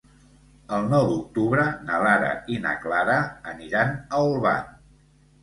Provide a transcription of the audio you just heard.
El nou d'octubre na Lara i na Clara aniran a Olvan.